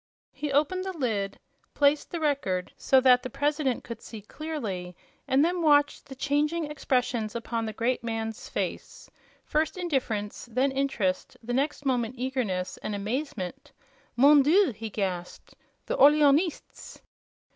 He opened the lid, placed the Record so that the President could see clearly, and then watched the changing expressions upon the great man's face; first indifference, then interest, the next moment eagerness and amazement. "MON DIEU!" he gasped; "the Orleanists!"